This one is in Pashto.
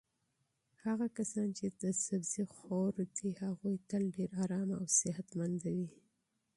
هغه کسان چې سبزي خور دي هغوی تل ډېر ارام او صحتمند وي.